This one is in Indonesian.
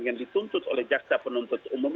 yang dituntut oleh jaksa penuntut umum